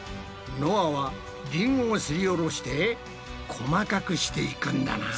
のあはリンゴをすりおろして細かくしていくんだな。